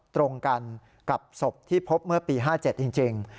ตรงกันกับศพที่พบเมื่อปี๕๗จริง